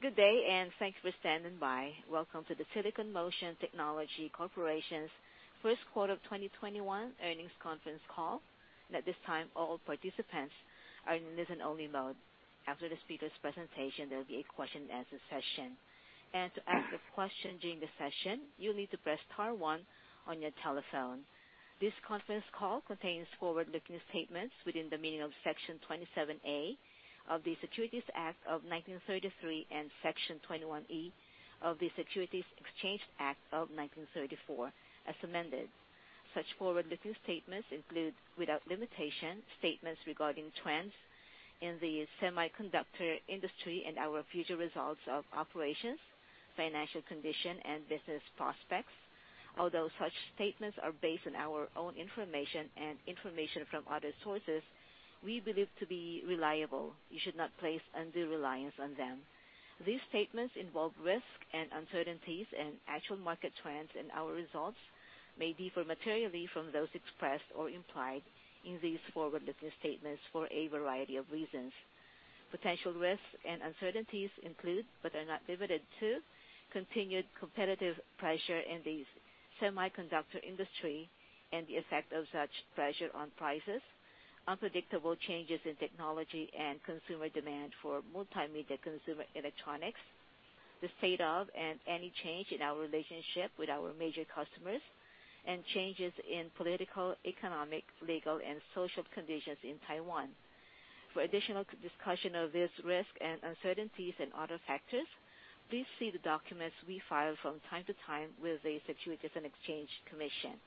Good day, thanks for standing by. Welcome to the Silicon Motion Technology Corporation's first quarter of 2021 earnings conference call. At this time, all participants are in listen-only mode. After the speaker's presentation, there'll be a question-and-answer session. To ask a question during the session, you'll need to press star one on your telephone. This conference call contains forward-looking statements within the meaning of Section 27A of the Securities Act of 1933 and Section 21E of the Securities Exchange Act of 1934 as amended. Such forward-looking statements include, without limitation, statements regarding trends in the semiconductor industry and our future results of operations, financial condition, and business prospects. Although such statements are based on our own information and information from other sources we believe to be reliable, you should not place undue reliance on them. These statements involve risks and uncertainties, and actual market trends and our results may differ materially from those expressed or implied in these forward-looking statements for a variety of reasons. Potential risks and uncertainties include, but are not limited to, continued competitive pressure in the semiconductor industry and the effect of such pressure on prices, unpredictable changes in technology and consumer demand for multimedia consumer electronics, the state of and any change in our relationship with our major customers, and changes in political, economic, legal, and social conditions in Taiwan. For additional discussion of this risk and uncertainties and other factors, please see the documents we file from time to time with the Securities and Exchange Commission.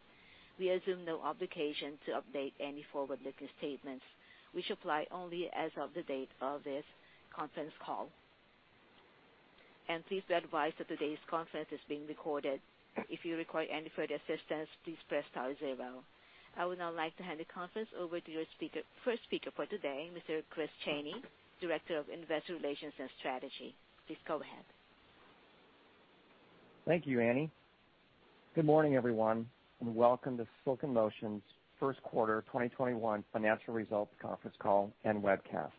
We assume no obligation to update any forward-looking statements, which apply only as of the date of this conference call. Please be advised that today's conference is being recorded. I would now like to hand the conference over to our first speaker for today, Mr. Chris Chaney, Director of Investor Relations and Strategy. Please go ahead. Thank you, Annie. Good morning, everyone, welcome to Silicon Motion's first quarter 2021 financial results conference call and webcast.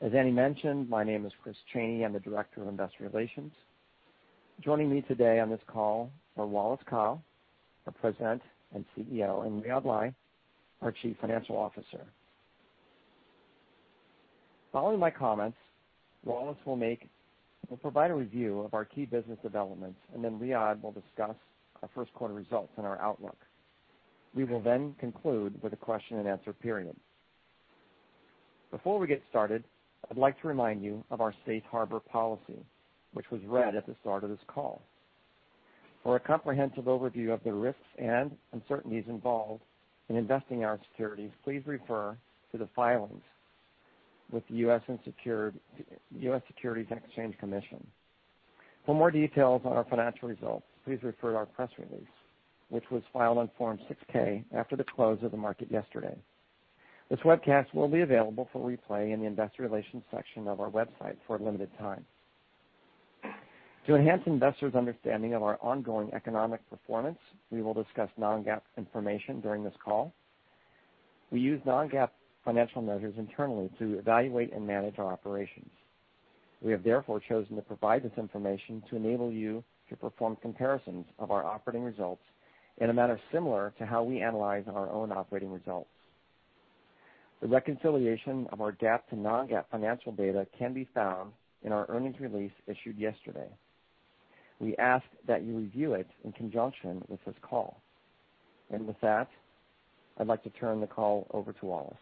As Annie mentioned, my name is Chris Chaney. I'm the Director of Investor Relations. Joining me today on this call are Wallace Kou, our President and CEO, and Riyadh Lai, our Chief Financial Officer. Following my comments, Wallace will provide a review of our key business developments, then Riyadh Lai will discuss our first quarter results and our outlook. We will conclude with a question-and-answer period. Before we get started, I'd like to remind you of our safe harbor policy, which was read at the start of this call. For a comprehensive overview of the risks and uncertainties involved in investing in our securities, please refer to the filings with the U.S. Securities and Exchange Commission. For more details on our financial results, please refer to our press release, which was filed on Form 6-K after the close of the market yesterday. This webcast will be available for replay in the investor relations section of our website for a limited time. To enhance investors' understanding of our ongoing economic performance, we will discuss non-GAAP information during this call. We use non-GAAP financial measures internally to evaluate and manage our operations. We have therefore chosen to provide this information to enable you to perform comparisons of our operating results in a manner similar to how we analyze our own operating results. The reconciliation of our GAAP to non-GAAP financial data can be found in our earnings release issued yesterday. We ask that you review it in conjunction with this call. With that, I'd like to turn the call over to Wallace.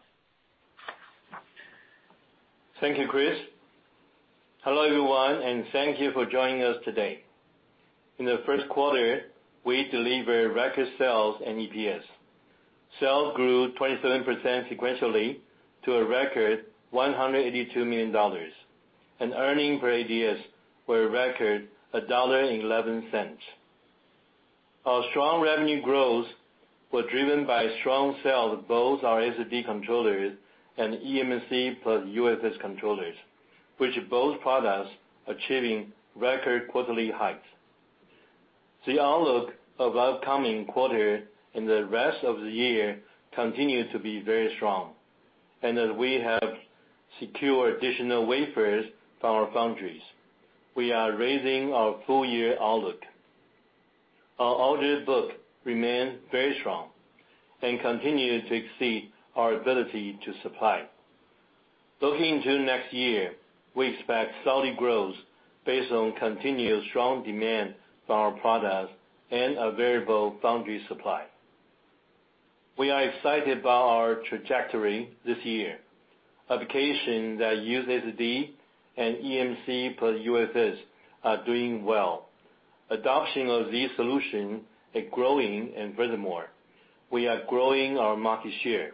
Thank you, Chris. Hello, everyone, thank you for joining us today. In the first quarter, we delivered record sales and EPS. Sales grew 27% sequentially to a record $182 million, and earnings per ADS were a record $1.11. Our strong revenue growth was driven by strong sales of both our SSD controllers and eMMC plus UFS controllers, which are both products achieving record quarterly heights. The outlook of upcoming quarter and the rest of the year continue to be very strong. As we have secured additional wafers from our foundries, we are raising our full year outlook. Our order book remains very strong and continue to exceed our ability to supply. Looking into next year, we expect steady growth based on continued strong demand for our products and available foundry supply. We are excited about our trajectory this year. Applications that use SSD and eMMC plus UFS are doing well. Adoption of these solutions are growing, and furthermore, we are growing our market share.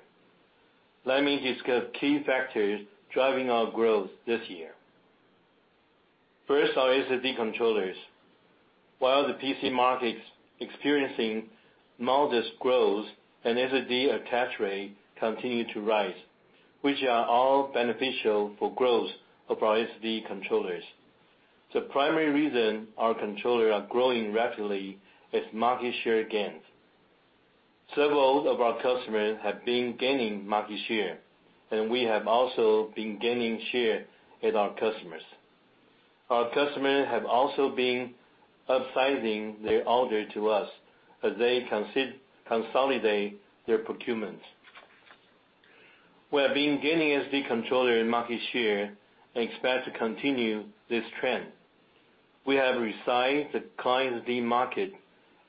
Let me discuss key factors driving our growth this year. First, our SSD controllers. While the PC market's experiencing modest growth and SSD attach rate continue to rise, which are all beneficial for growth of our SSD controllers. The primary reason our controller are growing rapidly is market share gains. Several of our customers have been gaining market share, and we have also been gaining share with our customers. Our customers have also been upsizing their order to us as they consolidate their procurement. We have been gaining SSD controller market share and expect to continue this trend. We have resized the client SSD market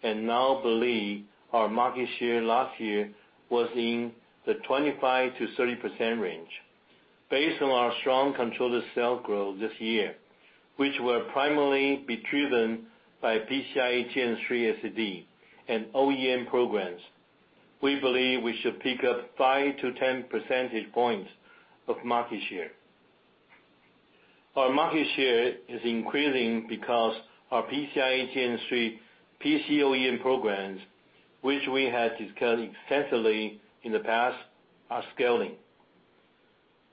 and now believe our market share last year was in the 25%-30% range. Based on our strong controller sales growth this year, which will primarily be driven by PCIe Gen 3 SSD and OEM programs, we believe we should pick up five to 10 percentage points of market share. Our market share is increasing because our PCIe Gen 3 PC OEM programs, which we have discussed extensively in the past, are scaling.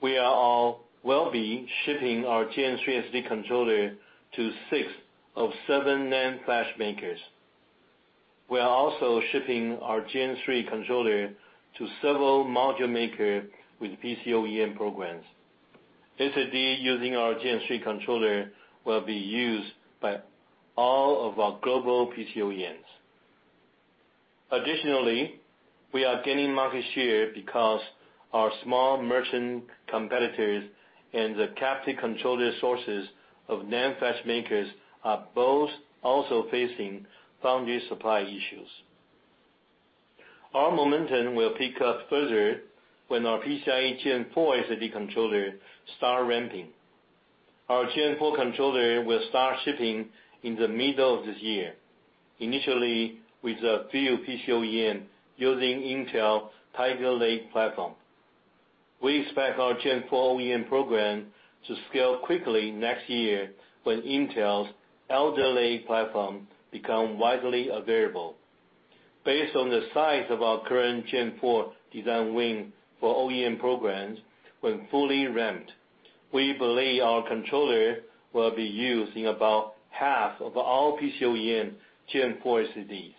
We will be shipping our Gen 3 SSD controller to six of seven NAND flash makers. We are also shipping our Gen 3 controller to several module makers with PC OEM programs. SSD using our Gen 3 controller will be used by all of our global PC OEMs. Additionally, we are gaining market share because our small merchant competitors and the captive controller sources of NAND flash makers are both also facing foundry supply issues. Our momentum will pick up further when our PCIe Gen 4 SSD controller start ramping. Our Gen 4 controller will start shipping in the middle of this year, initially with a few PC OEM using Intel Tiger Lake platform. We expect our Gen 4 OEM program to scale quickly next year when Intel's Alder Lake platform becomes widely available. Based on the size of our current Gen 4 design win for OEM programs, when fully ramped, we believe our controller will be used in about half of all PC OEM Gen 4 SSDs.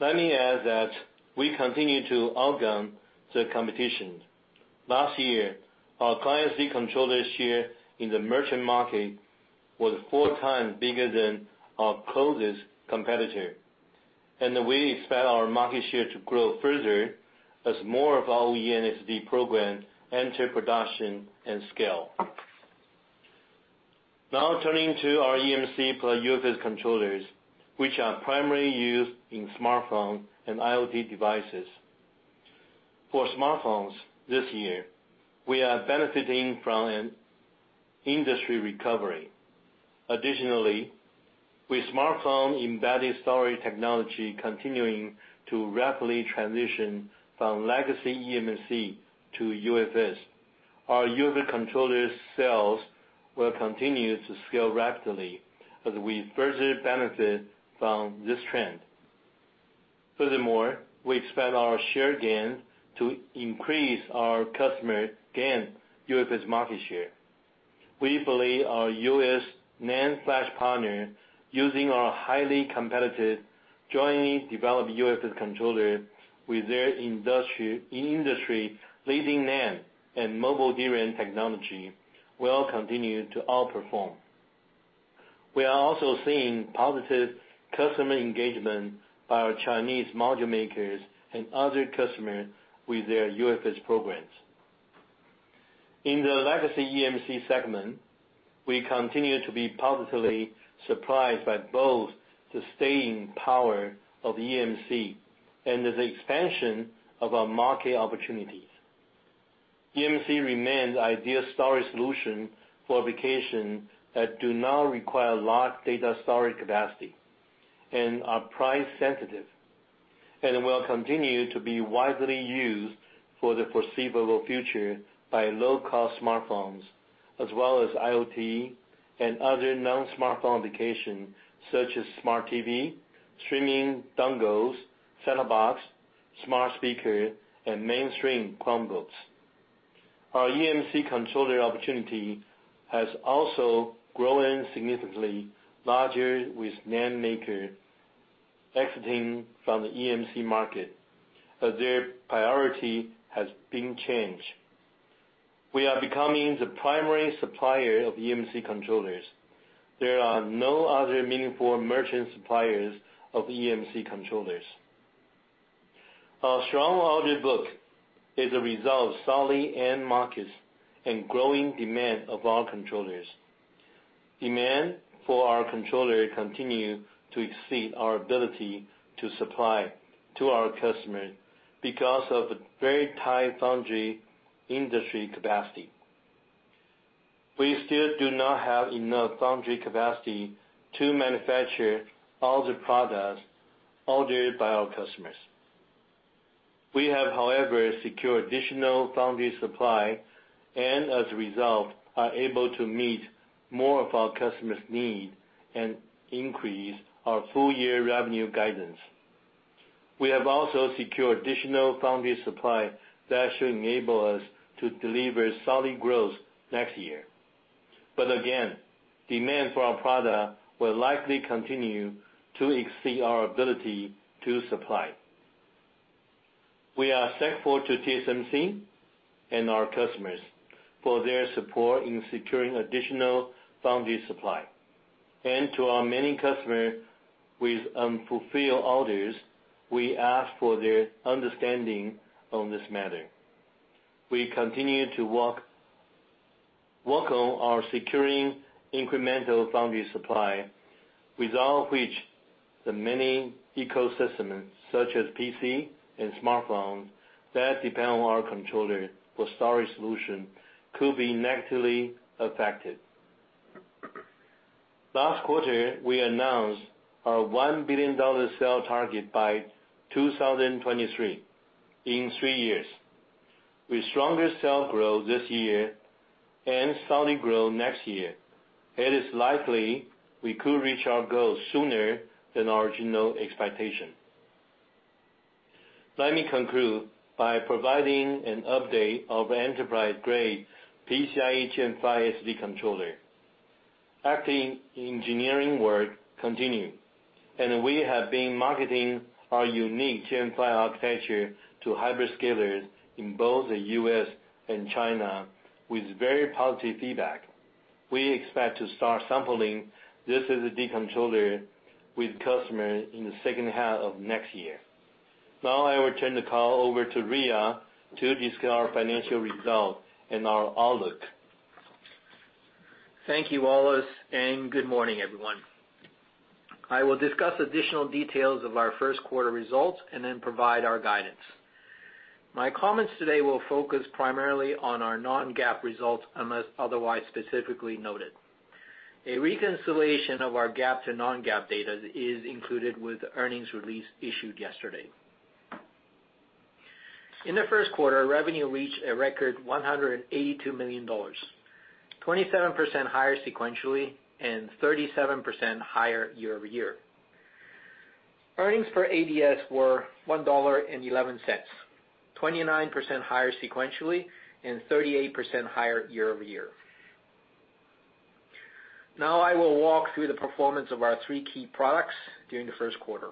Let me add that we continue to outgun the competition. Last year, our client SSD controller share in the merchant market was four times bigger than our closest competitor. We expect our market share to grow further as more of our OEM SSD programs enter production and scale. Now turning to our eMMC plus UFS controllers, which are primarily used in smartphone and IoT devices. For smartphones this year, we are benefiting from an industry recovery. With smartphone embedded storage technology continuing to rapidly transition from legacy eMMC to UFS, our UFS controller sales will continue to scale rapidly as we further benefit from this trend. We expect our share gain to increase our customer gain UFS market share. We believe our U.S. NAND flash partner using our highly competitive jointly developed UFS controller with their industry-leading NAND and mobile DRAM technology will continue to outperform. We are also seeing positive customer engagement by our Chinese module makers and other customers with their UFS programs. In the legacy eMMC segment, we continue to be positively surprised by both the staying power of eMMC and the expansion of our market opportunities. eMMC remains the ideal storage solution for applications that do not require large data storage capacity and are price sensitive and will continue to be widely used for the foreseeable future by low-cost smartphones as well as IoT and other non-smartphone applications such as smart TV, streaming dongles, set-top box, smart speaker, and mainstream Chromebooks. Our eMMC controller opportunity has also grown significantly larger with NAND maker exiting from the eMMC market, as their priority has been changed. We are becoming the primary supplier of eMMC controllers. There are no other meaningful merchant suppliers of eMMC controllers. Our strong order book is a result of solid end markets and growing demand of our controllers. Demand for our controller continue to exceed our ability to supply to our customers because of the very tight foundry industry capacity. We still do not have enough foundry capacity to manufacture all the products ordered by our customers. We have, however, secured additional foundry supply and, as a result, are able to meet more of our customers' need and increase our full-year revenue guidance. We have also secured additional foundry supply that should enable us to deliver solid growth next year. Again, demand for our product will likely continue to exceed our ability to supply. We are thankful to TSMC and our customers for their support in securing additional foundry supply. To our many customers with unfulfilled orders, we ask for their understanding on this matter. We continue to work on our securing incremental foundry supply, without which the many ecosystems, such as PC and smartphone, that depend on our controller for storage solution could be negatively affected. Last quarter, we announced our $1 billion sale target by 2023, in three years. With stronger sale growth this year and solid growth next year, it is likely we could reach our goals sooner than original expectation. Let me conclude by providing an update of enterprise-grade PCIe Gen 5 SSD controller. Active engineering work continue, and we have been marketing our unique Gen 5 architecture to hyperscalers in both the U.S. and China with very positive feedback. We expect to start sampling this SSD controller with customers in the second half of next year. Now I will turn the call over to Riyadh to discuss our financial results and our outlook. Thank you, Wallace, and good morning, everyone. I will discuss additional details of our first quarter results, and then provide our guidance. My comments today will focus primarily on our non-GAAP results, unless otherwise specifically noted. A reconciliation of our GAAP to non-GAAP data is included with the earnings release issued yesterday. In the first quarter, revenue reached a record $182 million, 27% higher sequentially and 37% higher year-over-year. Earnings per ADS were $1.11, 29% higher sequentially and 38% higher year-over-year. Now I will walk through the performance of our three key products during the first quarter.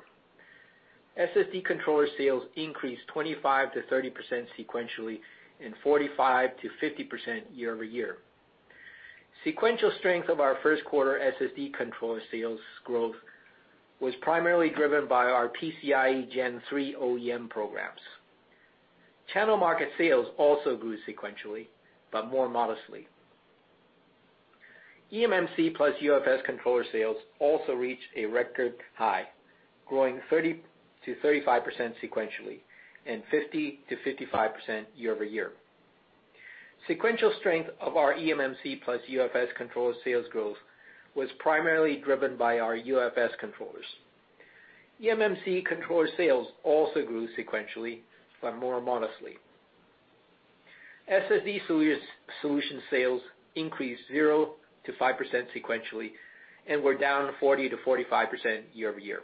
SSD controller sales increased 25%-30% sequentially and 45%-50% year-over-year. Sequential strength of our first quarter SSD controller sales growth was primarily driven by our PCIe Gen 3 OEM programs. Channel market sales also grew sequentially, but more modestly. eMMC plus UFS controller sales also reached a record high, growing 30%-35% sequentially and 50%-55% year-over-year. Sequential strength of our eMMC plus UFS controller sales growth was primarily driven by our UFS controllers. eMMC controller sales also grew sequentially, but more modestly. SSD solution sales increased 0%-5% sequentially and were down 40%-45% year-over-year.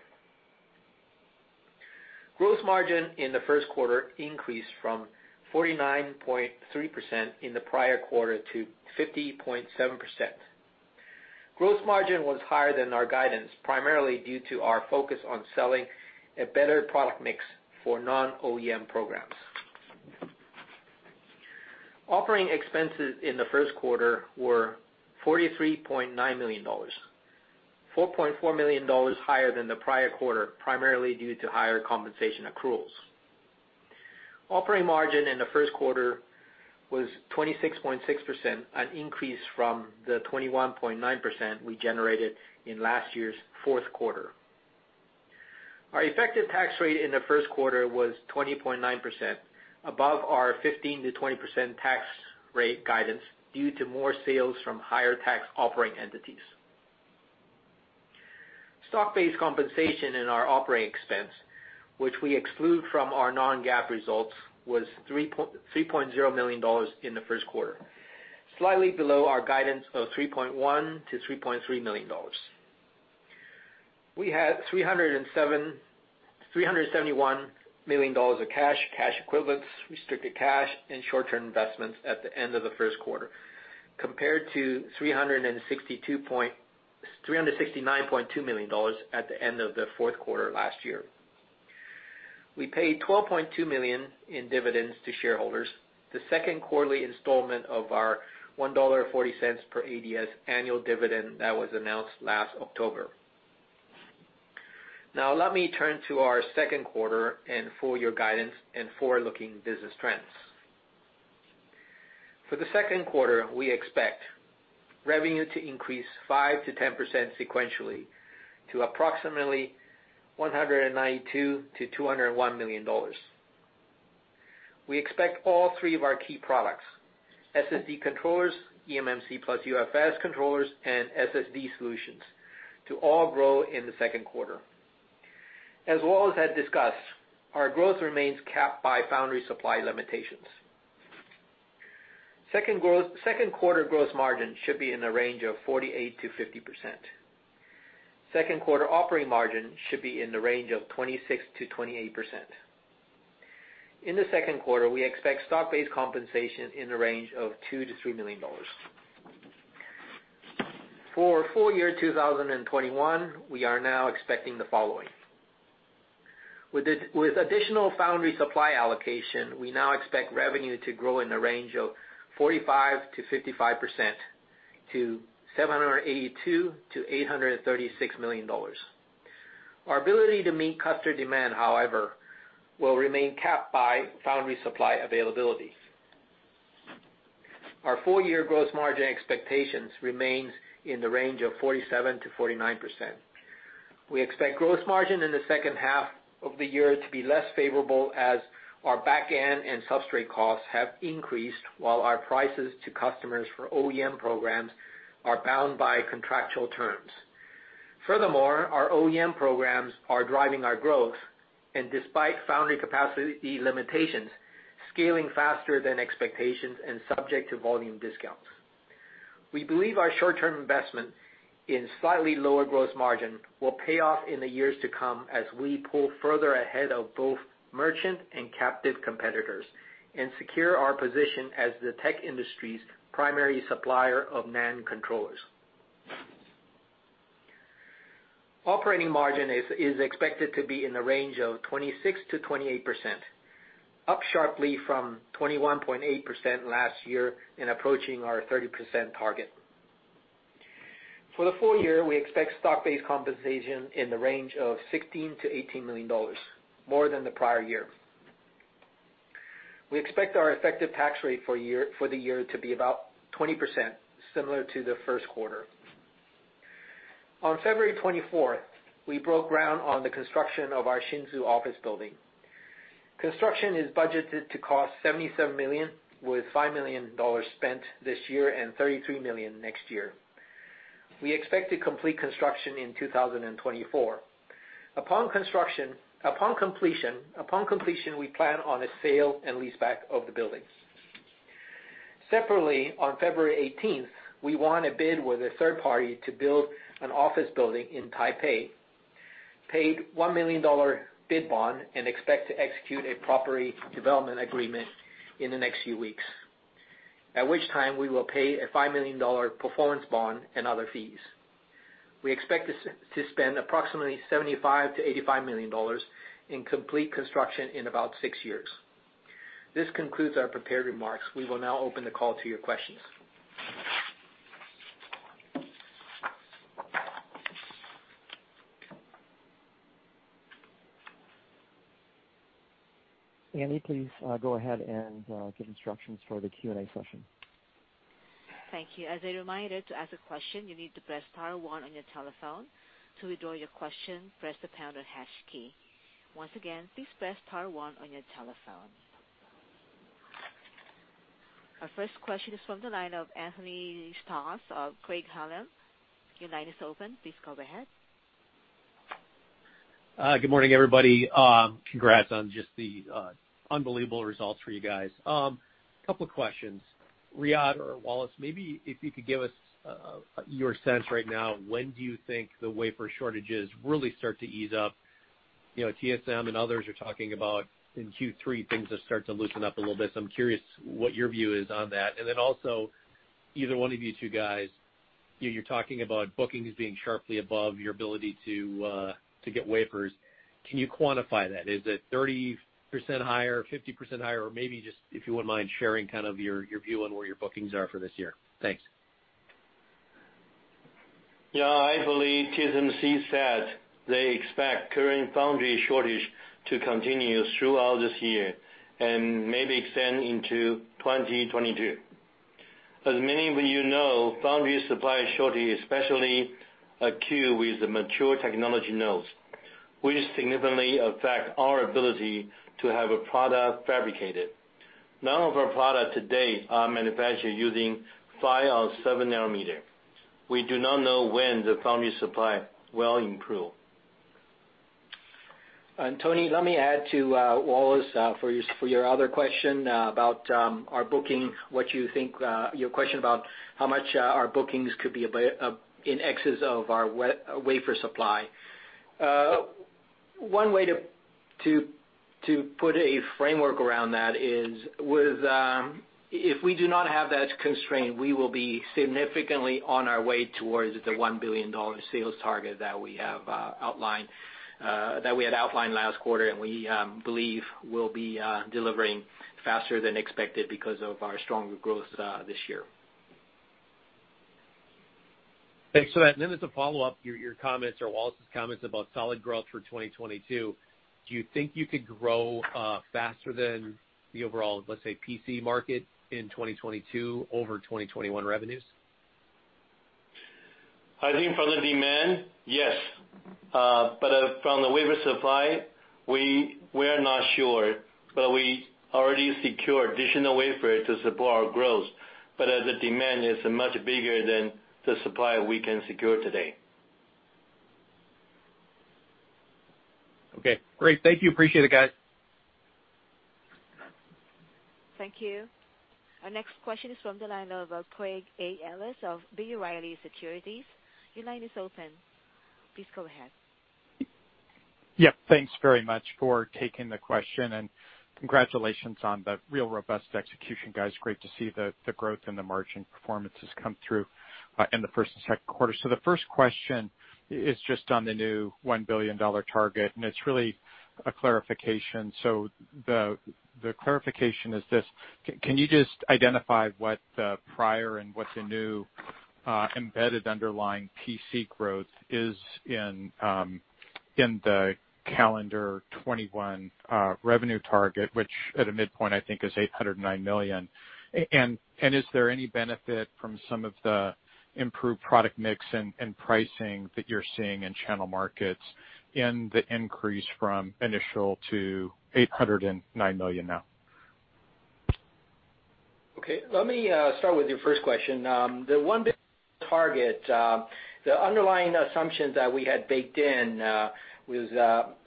Gross margin in the first quarter increased from 49.3% in the prior quarter to 50.7%. Gross margin was higher than our guidance, primarily due to our focus on selling a better product mix for non-OEM programs. Operating expenses in the first quarter were $43.9 million, $4.4 million higher than the prior quarter, primarily due to higher compensation accruals. Operating margin in the first quarter was 26.6%, an increase from the 21.9% we generated in last year's fourth quarter. Our effective tax rate in the first quarter was 20.9%, above our 15%-20% tax rate guidance due to more sales from higher tax operating entities. Stock-based compensation in our operating expense, which we exclude from our non-GAAP results, was $3.0 million in the first quarter, slightly below our guidance of $3.1 million-$3.3 million. We had $371 million of cash equivalents, restricted cash, and short-term investments at the end of the first quarter compared to $369.2 million at the end of the fourth quarter last year. We paid $12.2 million in dividends to shareholders, the second quarterly installment of our $1.40 per ADS annual dividend that was announced last October. Let me turn to our second quarter and full year guidance and forward-looking business trends. For the second quarter, we expect revenue to increase 5%-10% sequentially to approximately $192 million-$201 million. We expect all three of our key products, SSD controllers, eMMC plus UFS controllers, and SSD solutions, to all grow in the second quarter. As Wallace had discussed, our growth remains capped by foundry supply limitations. Second quarter gross margin should be in the range of 48%-50%. Second quarter operating margin should be in the range of 26%-28%. In the second quarter, we expect stock-based compensation in the range of $2 million-$3 million. For full year 2021, we are now expecting the following. With additional foundry supply allocation, we now expect revenue to grow in the range of 45%-55%, to $782 million-$836 million. Our ability to meet customer demand, however, will remain capped by foundry supply availability. Our full-year gross margin expectations remains in the range of 47%-49%. We expect gross margin in the second half of the year to be less favorable as our back-end and substrate costs have increased while our prices to customers for OEM programs are bound by contractual terms. Furthermore, our OEM programs are driving our growth, and despite foundry capacity limitations, scaling faster than expectations and subject to volume discounts. We believe our short-term investment in slightly lower gross margin will pay off in the years to come as we pull further ahead of both merchant and captive competitors and secure our position as the tech industry's primary supplier of NAND controllers. Operating margin is expected to be in the range of 26%-28%, up sharply from 21.8% last year and approaching our 30% target. For the full year, we expect stock-based compensation in the range of $16 million-$18 million, more than the prior year. We expect our effective tax rate for the year to be about 20%, similar to the first quarter. On February 24th, we broke ground on the construction of our Hsinchu office building. Construction is budgeted to cost $77 million with $5 million spent this year and $33 million next year. We expect to complete construction in 2024. Upon completion, we plan on a sale and leaseback of the buildings. Separately, on February 18th, we won a bid with a third party to build an office building in Taipei, paid a $1 million bid bond, and expect to execute a property development agreement in the next few weeks, at which time we will pay a $5 million performance bond and other fees. We expect to spend approximately $75 million-$85 million in complete construction in about six years. This concludes our prepared remarks. We will now open the call to your questions. Annie, please go ahead and give instructions for the Q&A session. Thank you. As a reminder, to ask a question, you need to press star one on your telephone. To withdraw your question, press the pound or hash key. Once again, please press star one on your telephone. Our first question is from the line of Anthony Stoss of Craig-Hallum. Your line is open. Please go ahead. Good morning, everybody. Congrats on just the unbelievable results for you guys. Couple questions. Riyadh or Wallace, maybe if you could give us your sense right now, when do you think the wafer shortages really start to ease up? TSMC and others are talking about in Q3, things will start to loosen up a little bit. I'm curious what your view is on that. Also, either one of you two guys, you're talking about bookings being sharply above your ability to get wafers. Can you quantify that? Is it 30% higher, 50% higher, or maybe just if you wouldn't mind sharing your view on where your bookings are for this year. Thanks. Yeah, I believe TSMC said they expect current foundry shortage to continue throughout this year and maybe extend into 2022. As many of you know, foundry supply shortage especially acute with the mature technology nodes, will significantly affect our ability to have a product fabricated. None of our product today are manufactured using five or seven nanometer. We do not know when the foundry supply will improve. Anthony, let me add to Wallace Kou for your other question about our booking, your question about how much our bookings could be in excess of our wafer supply. One way to put a framework around that is, if we do not have that constraint, we will be significantly on our way towards the $1 billion sales target that we had outlined last quarter and we believe will be delivering faster than expected because of our stronger growth this year. Thanks for that. As a follow-up, your comments or Wallace's comments about solid growth for 2022, do you think you could grow faster than the overall, let's say, PC market in 2022 over 2021 revenues? I think from the demand, yes. From the wafer supply, we are not sure. We already secured additional wafer to support our growth, but the demand is much bigger than the supply we can secure today. Okay, great. Thank you. Appreciate it, guys. Thank you. Our next question is from the line of Craig A. Ellis of B. Riley Securities. Your line is open. Please go ahead. Yeah, thanks very much for taking the question, and congratulations on the real robust execution, guys. Great to see the growth and the margin performances come through in the first and second quarter. The first question is just on the new $1 billion target, and it's really a clarification. The clarification is this, can you just identify what the prior and what the new embedded underlying PC growth is in the calendar 2021 revenue target, which at a midpoint, I think is $809 million? Is there any benefit from some of the improved product mix and pricing that you're seeing in channel markets in the increase from initial to $809 million now? Okay. Let me start with your first question. The $1 billion target, the underlying assumptions that we had baked in was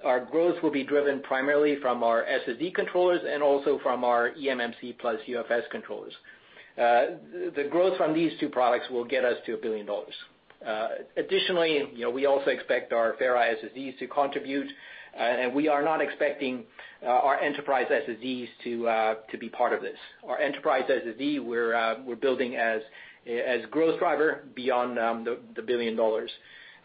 our growth will be driven primarily from our SSD controllers and also from our eMMC plus UFS controllers. The growth from these two products will get us to $1 billion. Additionally, we also expect our FerriSSDs to contribute, and we are not expecting our enterprise SSDs to be part of this. Our enterprise SSD, we're building as growth driver beyond the $1 billion.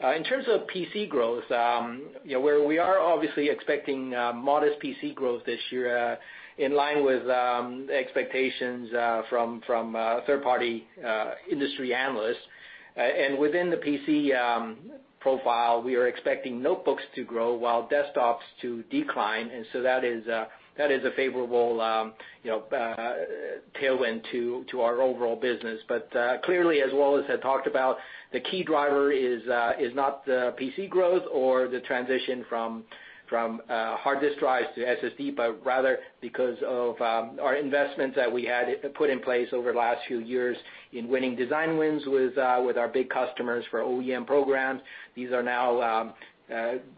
In terms of PC growth, where we are obviously expecting modest PC growth this year, in line with expectations from third-party industry analysts. Within the PC profile, we are expecting notebooks to grow while desktops to decline, that is a favorable tailwind to our overall business. Clearly, as Wallace had talked about, the key driver is not the PC growth or the transition from hard disk drives to SSD, but rather because of our investments that we had put in place over the last few years in winning design wins with our big customers for OEM programs. These are now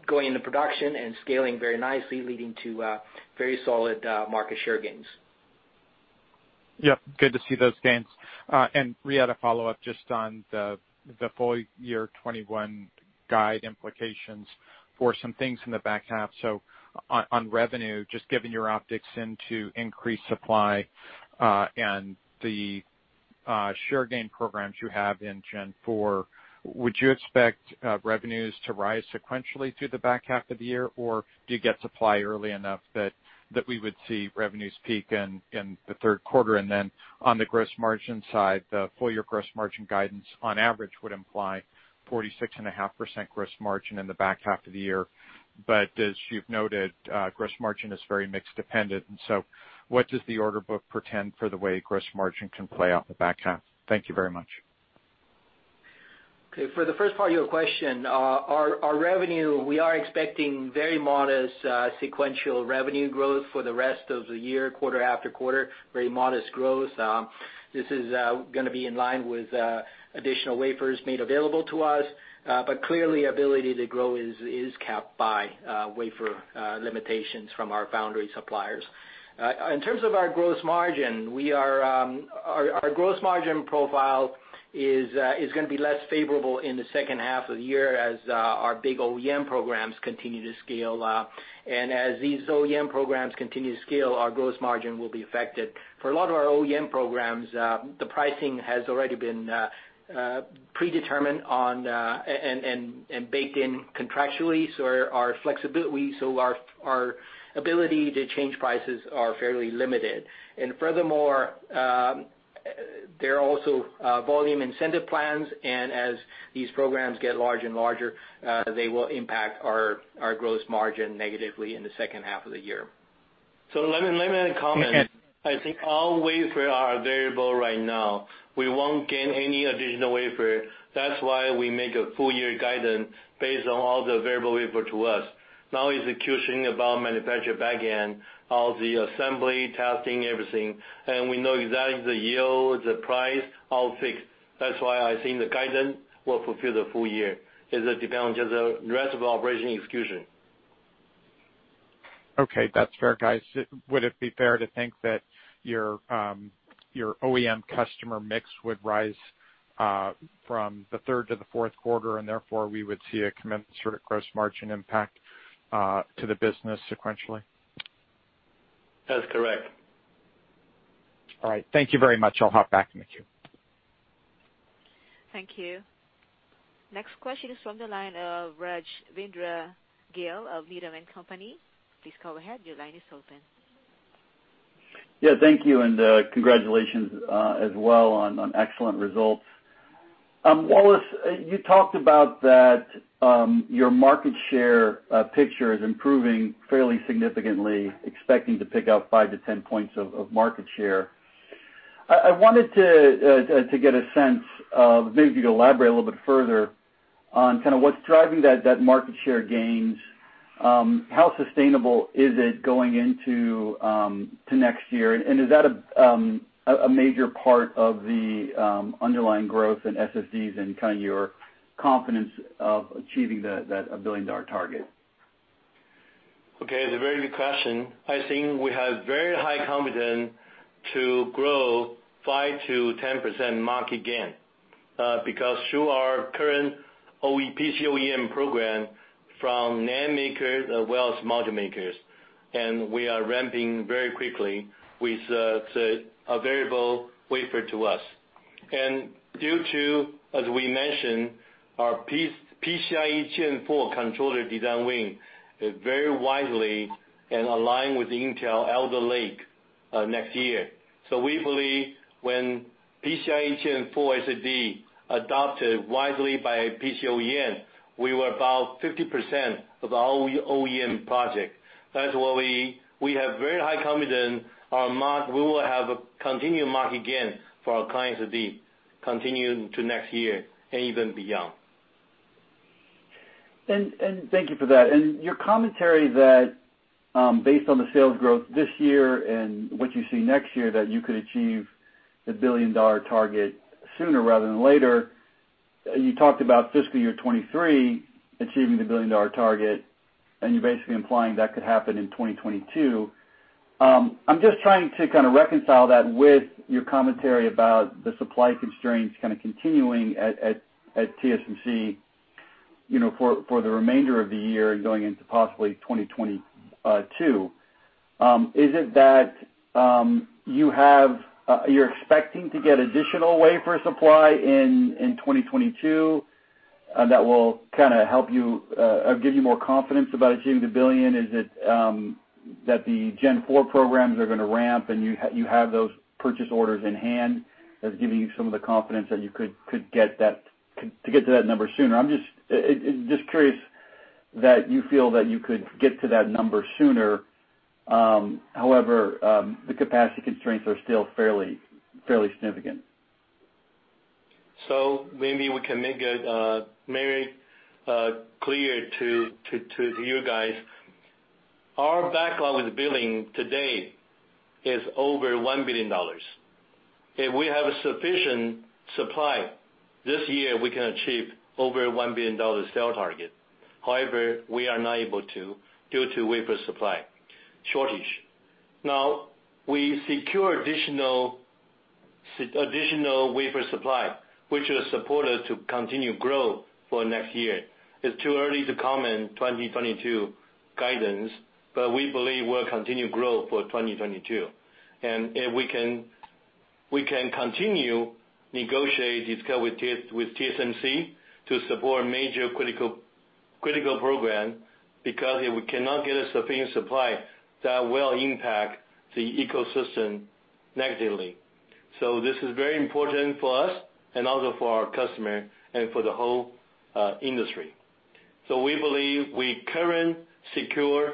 going into production and scaling very nicely, leading to very solid market share gains. Yeah, good to see those gains. We had a follow-up just on the full year 2021 guide implications for some things in the back half. On revenue, just given your optics into increased supply, and the share gain programs you have in Gen 4, would you expect revenues to rise sequentially through the back half of the year? Do you get supply early enough that we would see revenues peak in the third quarter? Then on the gross margin side, the full-year gross margin guidance on average would imply 46.5% gross margin in the back half of the year. As you've noted, gross margin is very mix dependent, what does the order book portend for the way gross margin can play out the back half? Thank you very much. Okay. For the first part of your question, our revenue, we are expecting very modest sequential revenue growth for the rest of the year, quarter after quarter, very modest growth. This is going to be in line with additional wafers made available to us. Clearly ability to grow is capped by wafer limitations from our foundry suppliers. In terms of our gross margin, our gross margin profile is going to be less favorable in the second half of the year as our big OEM programs continue to scale up. As these OEM programs continue to scale, our gross margin will be affected. For a lot of our OEM programs, the pricing has already been predetermined and baked in contractually, Our ability to change prices are fairly limited. Furthermore, there are also volume incentive plans, and as these programs get larger and larger, they will impact our gross margin negatively in the second half of the year. Let me comment. Okay. I think all wafer are available right now. We won't gain any additional wafer. That's why we make a full year guidance based on all the available wafer to us. Now execution about manufacture back end, all the assembly, testing, everything. We know exactly the yield, the price, all fixed. That's why I think the guidance will fulfill the full year, as it depends on just the rest of operation execution. Okay. That's fair, guys. Would it be fair to think that your OEM customer mix would rise from the third to the fourth quarter, and therefore we would see a commensurate gross margin impact to the business sequentially? That's correct. All right. Thank you very much. I'll hop back in the queue. Thank you. Next question is from the line of Rajvindra Gill of Needham & Company. Please go ahead, your line is open. Yeah, thank you, and congratulations as well on excellent results. Wallace, you talked about that your market share picture is improving fairly significantly, expecting to pick up 5-10 points of market share. I wanted to get a sense of, maybe if you could elaborate a little bit further on what's driving that market share gains. How sustainable is it going into next year? And is that a major part of the underlying growth in SSDs and your confidence of achieving that $1 billion target? Okay, it's a very good question. I think we have very high confidence to grow 5% to 10% market gain, because through our current OE PC OEM program from NAND makers as well as module makers, we are ramping very quickly with a variable wafer to us. Due to, as we mentioned, our PCIe Gen 4 controller design win is very widely and aligned with Intel Alder Lake next year. We believe when PCIe Gen 4 SSD adopted widely by PC OEM, we will be about 50% of our OEM project. That's why we have very high confidence we will have a continued market gain for our clients' SSD continue into next year and even beyond. Thank you for that. Your commentary that, based on the sales growth this year and what you see next year, that you could achieve the billion-dollar target sooner rather than later. You talked about fiscal year 2023 achieving the billion-dollar target, and you're basically implying that could happen in 2022. I'm just trying to kind of reconcile that with your commentary about the supply constraints kind of continuing at TSMC for the remainder of the year and going into possibly 2022. Is it that you're expecting to get additional wafer supply in 2022 that will kind of give you more confidence about achieving the billion? Is it that the Gen4 programs are going to ramp and you have those purchase orders in hand that's giving you some of the confidence that you could get to that number sooner? I'm just curious that you feel that you could get to that number sooner, however, the capacity constraints are still fairly significant. Maybe we can make it very clear to you guys. Our backlog with billing to date is over $1 billion. If we have sufficient supply this year, we can achieve over $1 billion sale target. However, we are not able to due to wafer supply shortage. Now, we secure additional wafer supply, which will support us to continue growth for next year. It's too early to comment 2022 guidance. We believe we'll continue growth for 2022. If we can continue negotiate, discuss with TSMC to support major critical program, because if we cannot get a sufficient supply, that will impact the ecosystem negatively. This is very important for us and also for our customer and for the whole industry. We believe we current secure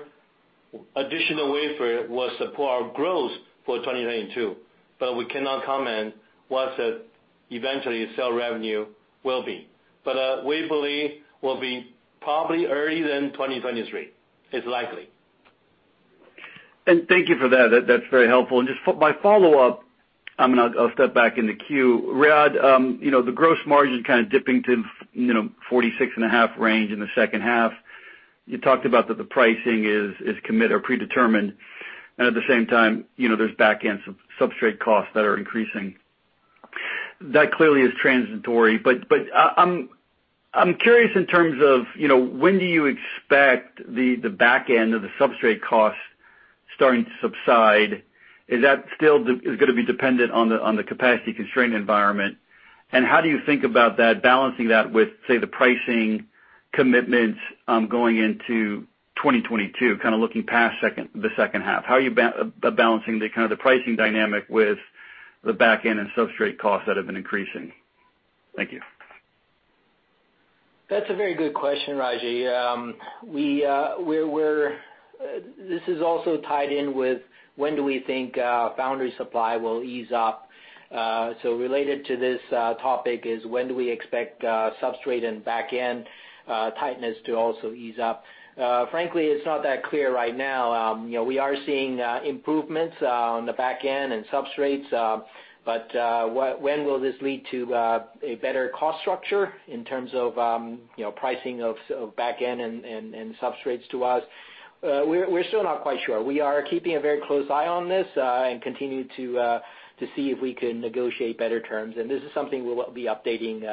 additional wafer will support our growth for 2022. We cannot comment what the eventually sale revenue will be. We believe will be probably earlier than 2023. It's likely. Thank you for that. That's very helpful. Just my follow-up, I'll step back in the queue. Riyadh, the gross margin kind of dipping to 46.5% range in the second half. You talked about that the pricing is commit or predetermined, and at the same time, there's back-end substrate costs that are increasing. That clearly is transitory, but I'm curious in terms of when do you expect the back-end of the substrate cost starting to subside? Is that still going to be dependent on the capacity-constrained environment? How do you think about that, balancing that with, say, the pricing commitments going into 2022, kind of looking past the second half? How are you balancing the kind of the pricing dynamic with the back-end and substrate costs that have been increasing? Thank you. That's a very good question, Raji. This is also tied in with when do we think foundry supply will ease up. Related to this topic is when do we expect substrate and back-end tightness to also ease up. Frankly, it's not that clear right now. We are seeing improvements on the back-end and substrates, but when will this lead to a better cost structure in terms of pricing of back-end and substrates to us? We're still not quite sure. We are keeping a very close eye on this, and continue to see if we can negotiate better terms. This is something we'll be updating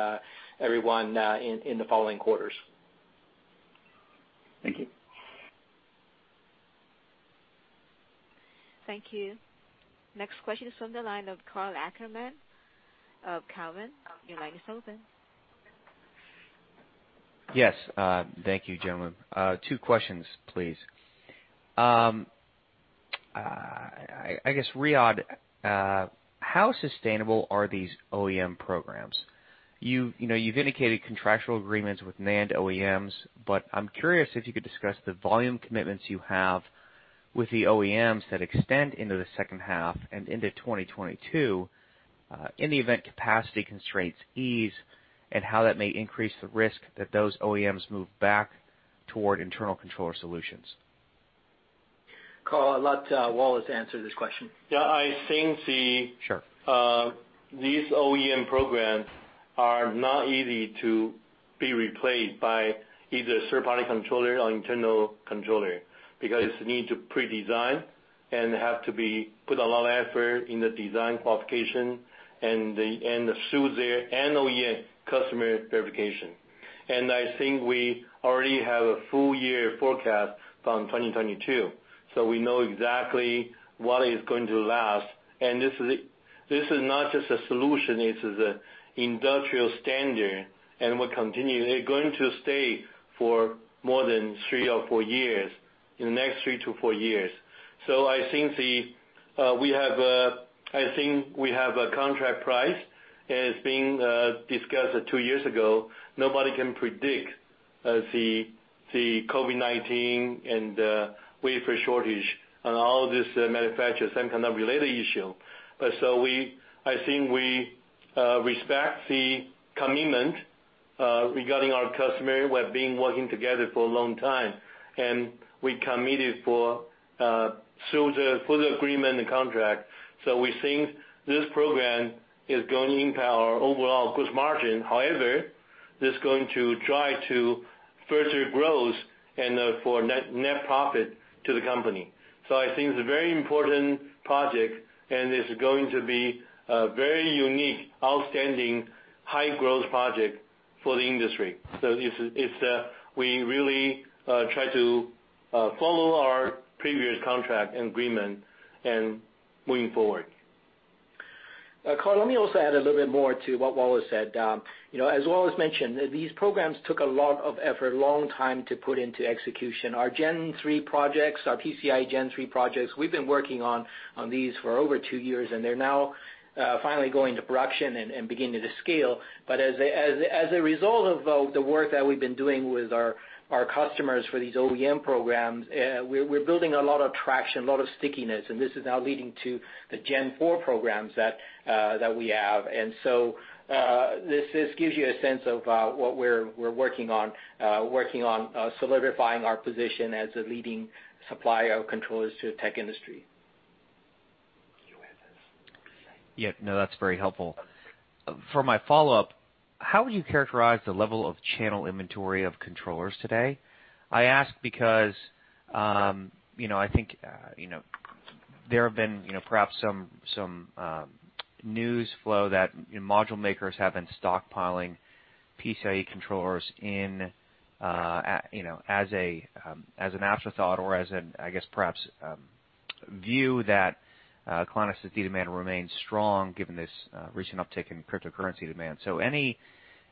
everyone in the following quarters. Thank you. Thank you. Next question is from the line of Karl Ackerman. Karl, your line is open. Yes. Thank you, gentlemen. Two questions, please. I guess, Riyadh, how sustainable are these OEM programs? You've indicated contractual agreements with NAND OEMs, but I'm curious if you could discuss the volume commitments you have with the OEMs that extend into the second half and into 2022, in the event capacity constraints ease, and how that may increase the risk that those OEMs move back toward internal controller solutions. Karl, I'll let Wallace answer this question. Yeah, I think. Sure These OEM programs are not easy to be replaced by either third party controller or internal controller, because it need to pre-design, and have to be put a lot of effort in the design qualification, and through there, and OEM customer verification. I think we already have a full year forecast from 2022. We know exactly what is going to last. This is not just a solution, it is an industrial standard, and will continue. They're going to stay for more than three or four years, in the next 3-4 years. I think we have a contract price that has been discussed two years ago. Nobody can predict the COVID-19 and the wafer shortage and all this manufacturing, same kind of related issue. I think we respect the commitment regarding our customer. We have been working together for a long time. We committed for further agreement and contract. We think this program is going to impact our overall gross margin. However, this is going to drive further growth and for net profit to the company. I think it's a very important project, and it's going to be a very unique, outstanding, high-growth project for the industry. We really try to follow our previous contract and agreement and moving forward. Karl, let me also add a little bit more to what Wallace said. As Wallace mentioned, these programs took a lot of effort, a long time to put into execution. Our Gen 3 projects, our PCIe Gen 3 projects, we've been working on these for over two years, and they're now finally going to production and beginning to scale. As a result of the work that we've been doing with our customers for these OEM programs, we're building a lot of traction, a lot of stickiness, and this is now leading to the Gen 4 programs that we have. This gives you a sense of what we're working on, working on solidifying our position as a leading supplier of controllers to the tech industry. Yeah. No, that's very helpful. For my follow-up, how would you characterize the level of channel inventory of controllers today? I ask because, I think there have been perhaps some news flow that module makers have been stockpiling PCIe controllers in as an afterthought or as, I guess perhaps, view that client SSD demand remains strong given this recent uptick in cryptocurrency demand.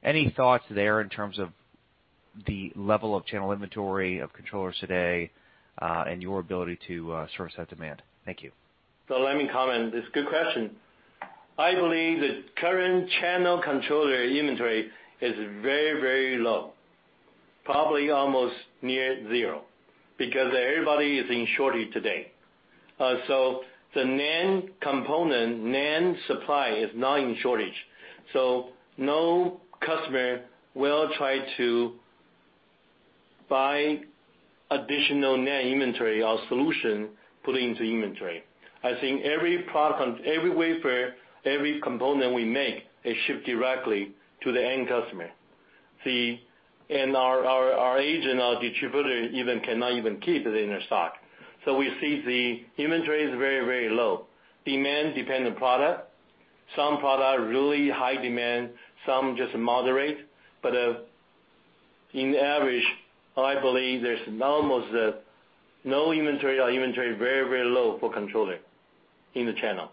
Any thoughts there in terms of the level of channel inventory of controllers today, and your ability to source that demand? Thank you. Let me comment. It's a good question. I believe the current channel controller inventory is very, very low, probably almost near zero, because everybody is in shortage today. The NAND component, NAND supply is now in shortage. No customer will try to buy additional NAND inventory or solution put into inventory. I think every product, every wafer, every component we make is shipped directly to the end customer. Our agent, our distributor even cannot even keep it in their stock. We see the inventory is very, very low. Demand depends on product. Some product really high demand, some just moderate. In average, I believe there's almost no inventory or inventory very, very low for controller in the channel.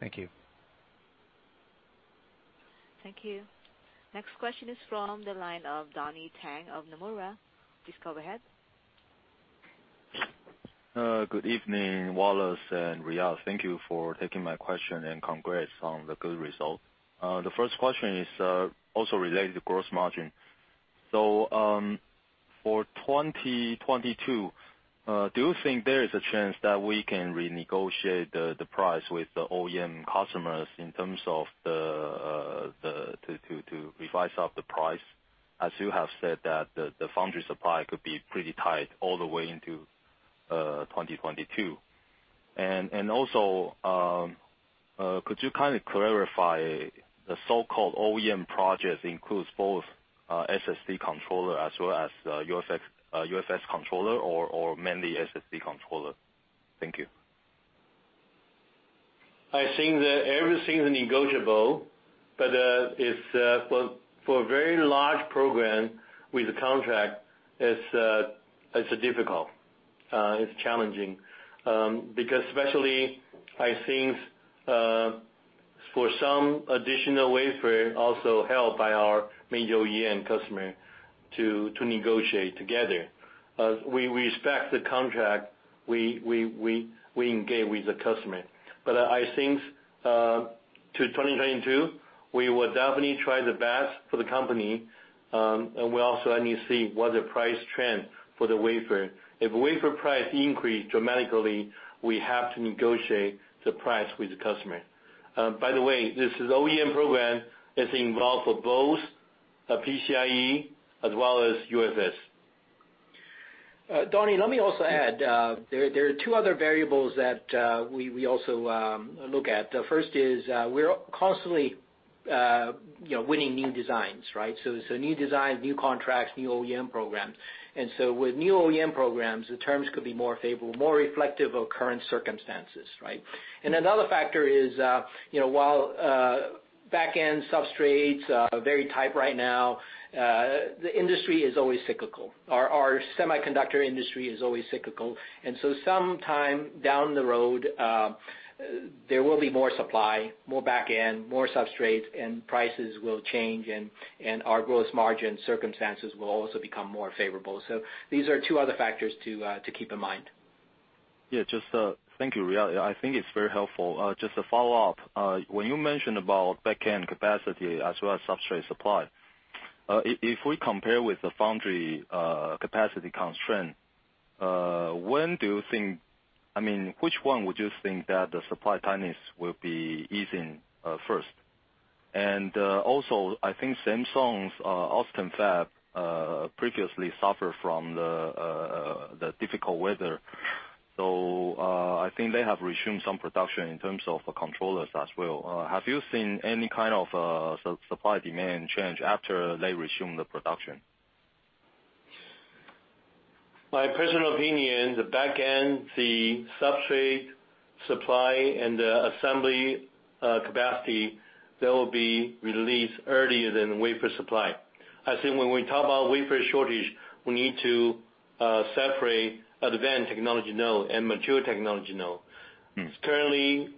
Thank you. Thank you. Next question is from the line of Donnie Teng of Nomura. Please go ahead. Good evening, Wallace and Riyadh Lai. Thank you for taking my question and congrats on the good result. The first question is also related to gross margin. For 2022, do you think there is a chance that we can renegotiate the price with the OEM customers in terms of to revise up the price, as you have said that the foundry supply could be pretty tight all the way into 2022? And also, could you clarify the so-called OEM projects includes both SSD controller as well as UFS controller or mainly SSD controller? Thank you. I think that everything is negotiable, but for a very large program with a contract, it's difficult. It's challenging. Especially, I think, for some additional wafer also held by our major OEM customer to negotiate together. We respect the contract we engage with the customer. I think to 2022, we will definitely try the best for the company, and we also need to see what the price trend for the wafer. If wafer price increase dramatically, we have to negotiate the price with the customer. By the way, this OEM program is involved for both PCIe as well as UFS. Donnie, let me also add, there are two other variables that we also look at. The first is, we're constantly winning new designs, right? New designs, new contracts, new OEM programs. With new OEM programs, the terms could be more favorable, more reflective of current circumstances, right? Another factor is, while back-end substrates are very tight right now, the industry is always cyclical. Our semiconductor industry is always cyclical. Sometime down the road, there will be more supply, more back-end, more substrates, and prices will change and our gross margin circumstances will also become more favorable. These are two other factors to keep in mind. Yeah. Thank you, Riyadh. I think it's very helpful. Just to follow up, when you mentioned about back-end capacity as well as substrate supply, if we compare with the foundry capacity constraint, which one would you think that the supply tightness will be easing first? Also, I think Samsung's Austin fab previously suffered from the difficult weather. I think they have resumed some production in terms of the controllers as well. Have you seen any kind of supply-demand change after they resumed the production? My personal opinion, the back-end, the substrate supply, and the assembly capacity, they will be released earlier than wafer supply. I think when we talk about wafer shortage, we need to separate advanced technology node and mature technology node. Currently,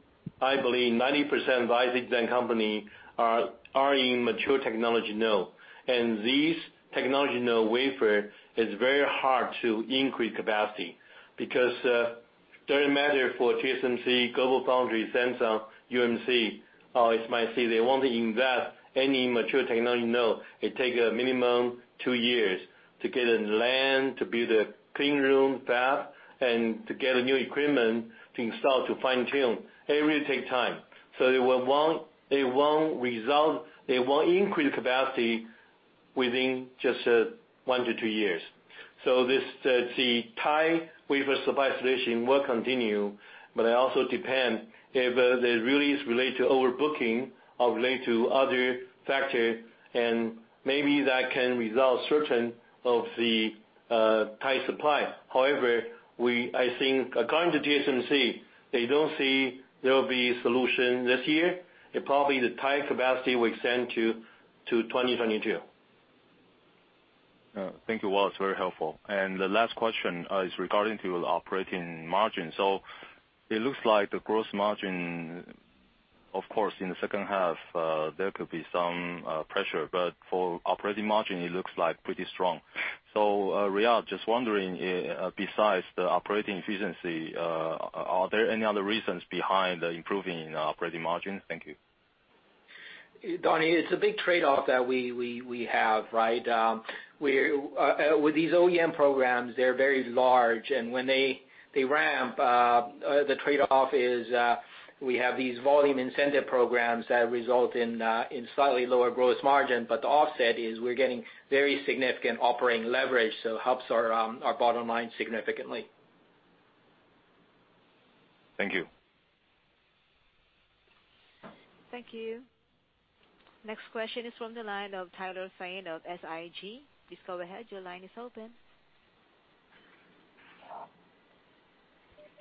I believe 90% of our design company are in mature technology node. These technology node wafer is very hard to increase capacity. Don't matter for TSMC, GlobalFoundries, Samsung, UMC, or SMIC, they won't invest any mature technology node. It take a minimum two years to get a land, to build a clean room fab, and to get a new equipment to install, to fine-tune. It really take time. They won't increase capacity within just one to two years. The tight wafer supply solution will continue, but it also depend if the release relate to overbooking or relate to other factor, and maybe that can resolve certain of the tight supply. However, I think according to TSMC, they don't see there will be solution this year, and probably the tight capacity will extend to 2022. Thank you, Wallace. Very helpful. The last question is regarding operating margin. It looks like the gross margin, of course, in the second half, there could be some pressure, but for operating margin, it looks like pretty strong. Riyadh, just wondering, besides the operating efficiency, are there any other reasons behind the improving operating margin? Thank you. Donny, it's a big trade-off that we have, right? With these OEM programs, they're very large, and when they ramp, the trade-off is, we have these volume incentive programs that result in slightly lower gross margin. The offset is we're getting very significant operating leverage, so it helps our bottom line significantly. Thank you. Thank you. Next question is from the line of [ Norberto Sigh] of SIG. Please go ahead, your line is open.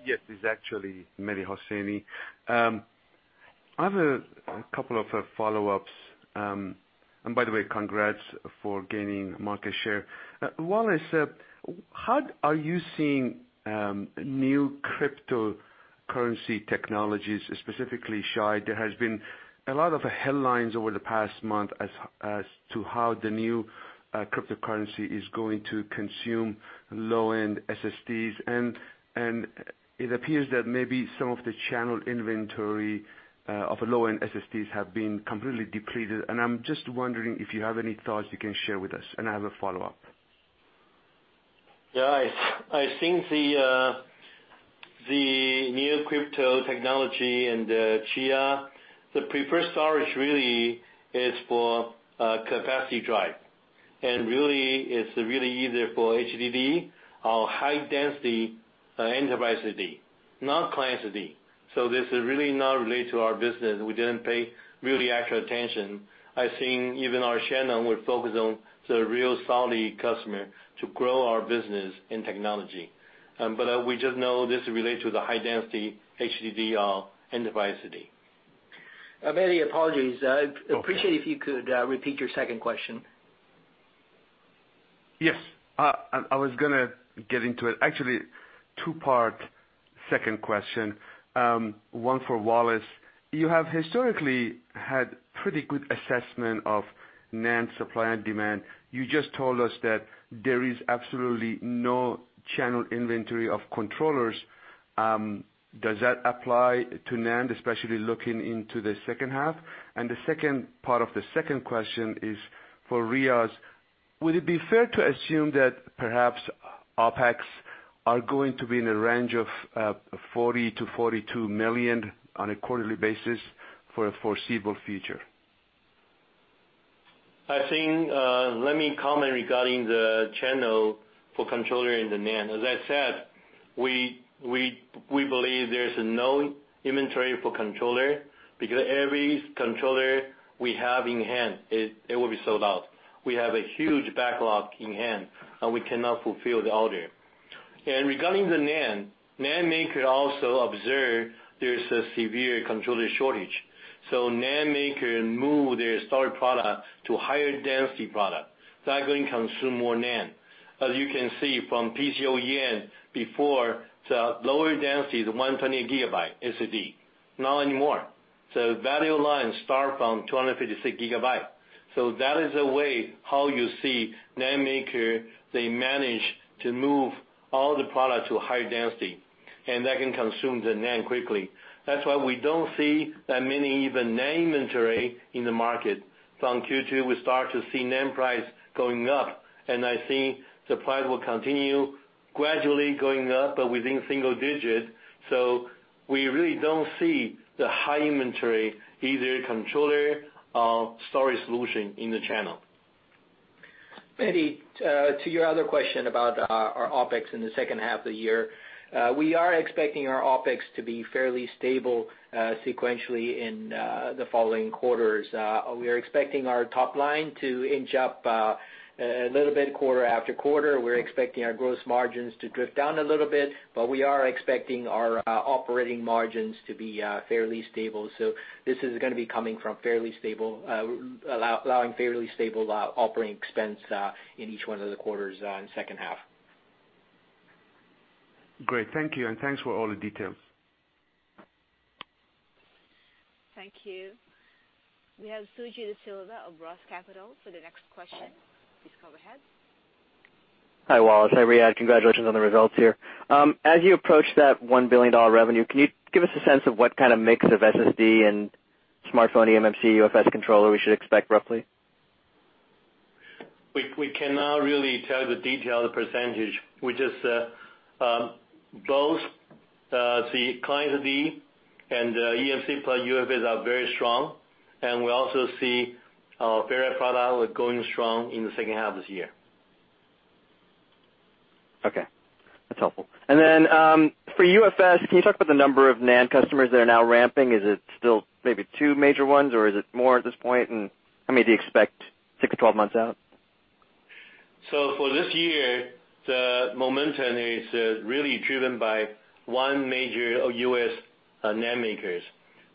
Yes, this is actually Mehdi Hosseini. I have a couple of follow-ups. By the way, congrats for gaining market share. Wallace, how are you seeing new cryptocurrency technologies, specifically Chia? There has been a lot of headlines over the past month as to how the new cryptocurrency is going to consume low-end SSDs. It appears that maybe some of the channel inventory of low-end SSDs have been completely depleted. I'm just wondering if you have any thoughts you can share with us. I have a follow-up. I think the new crypto technology and the Chia, the preferred storage really is for capacity drive. Really, it's really either for HDD or high-density enterprise SSD, not client SSD. This is really not related to our business. We didn't pay really actual attention. I think even our channel would focus on the real solid customer to grow our business and technology. We just know this relate to the high-density HDD or enterprise SSD. Mehdi, apologies. Okay. I'd appreciate if you could repeat your second question. Yes. I was gonna get into it. Actually, two-part second question. One for Wallace. You have historically had pretty good assessment of NAND supply and demand. You just told us that there is absolutely no channel inventory of controllers. Does that apply to NAND, especially looking into the second half? The second part of the second question is for Riyadh. Would it be fair to assume that perhaps OpEx are going to be in a range of $40 million-$42 million on a quarterly basis for the foreseeable future. I think, let me comment regarding the channel for controller in the NAND. As I said, we believe there's no inventory for controller because every controller we have in hand, it will be sold out. We have a huge backlog in hand, and we cannot fulfill the order. Regarding the NAND maker also observe there's a severe controller shortage. NAND maker move their storage product to higher density product. That going to consume more NAND. As you can see from PCIe before, the lower density is 128 GB SSD. Not anymore. Value line start from 256 GB. That is a way how you see NAND maker, they manage to move all the product to higher density, and that can consume the NAND quickly. That's why we don't see that many even NAND inventory in the market. From Q2, we start to see NAND price going up. I think the price will continue gradually going up, but within single digit. We really don't see the high inventory, either controller or storage solution in the channel. Mehdi, to your other question about our OpEx in the second half of the year. We are expecting our OpEx to be fairly stable sequentially in the following quarters. We are expecting our top line to inch up a little bit quarter after quarter. We're expecting our gross margins to drift down a little bit, but we are expecting our operating margins to be fairly stable. This is going to be coming from allowing fairly stable operating expense in each one of the quarters in second half. Great. Thank you, and thanks for all the details. Thank you. We have Suji Desilva of Roth Capital for the next question. Please go ahead. Hi, Wallace. Hi, Riyadh. Congratulations on the results here. As you approach that $1 billion revenue, can you give us a sense of what kind of mix of SSD and smartphone eMMC, UFS controller we should expect roughly? We cannot really tell the detailed percentage. Both the client SSD and eMMC plus UFS are very strong. We also see our FerriSSD going strong in the second half of this year. Okay. That's helpful. For UFS, can you talk about the number of NAND customers that are now ramping? Is it still maybe two major ones, or is it more at this point, and how many do you expect six or 12 months out? For this year, the momentum is really driven by one major U.S. NAND maker.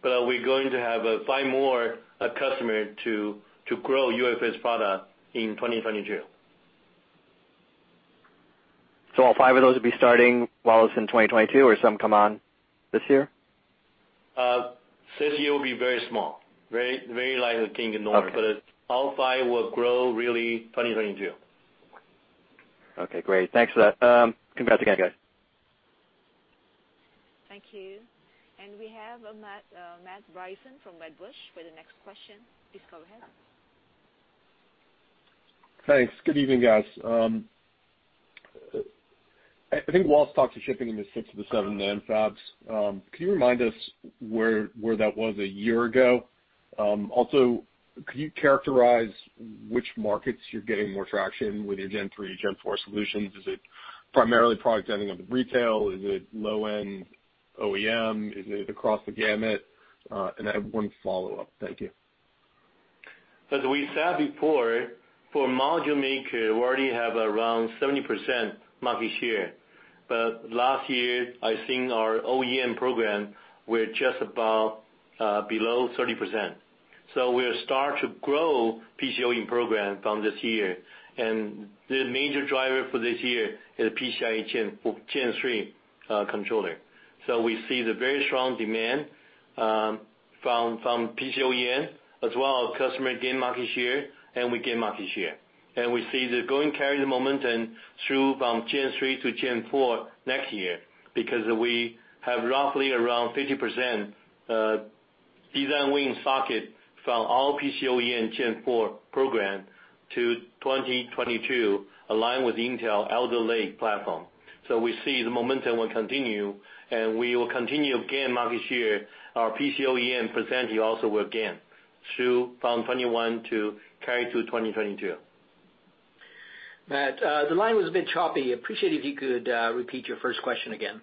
We're going to have five more customers to grow UFS product in 2022. All five of those will be starting, Wallace, in 2022 or some come on this year? This year will be very small. Very likely kicking in November. Okay. All five will grow really in 2022. Okay, great. Thanks for that. Congrats again, guys. Thank you. We have Matt Bryson from Wedbush for the next question. Please go ahead. Thanks. Good evening, guys. I think Wallace talked to shipping in the six of the seven NAND fabs. Can you remind us where that was a year ago? Also, could you characterize which markets you're getting more traction with your Gen 3, Gen 4 solutions? Is it primarily product ending up in retail? Is it low-end OEM? Is it across the gamut? And I have one follow-up. Thank you. As we said before, for module maker, we already have around 70% market share. Last year, I think our OEM program, we're just about below 30%. We'll start to grow PCIe program from this year. The major driver for this year is PCIe Gen 3 controller. We see the very strong demand from PCIe as well as customer gain market share, and we gain market share. We see they're going to carry the momentum through from Gen 3 to Gen 4 next year because we have roughly around 50% design win socket from our PCIe Gen 4 program to 2022, aligned with Intel Alder Lake platform. We see the momentum will continue, and we will continue to gain market share. Our PCIe percentage also will gain through from 2021 to carry to 2022. Matt, the line was a bit choppy. Appreciate if you could repeat your first question again.